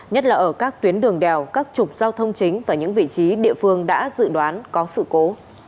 nhất là ở các tuyến đường đèo các trục giao thông chính và những vị trí địa phương đã dự đoán có sự cố